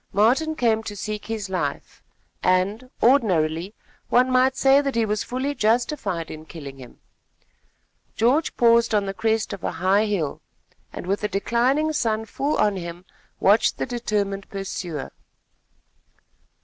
Martin came to seek his life, and, ordinarily, one might say that he was fully justified in killing him. George paused on the crest of a high hill, and with the declining sun full on him, watched the determined pursuer.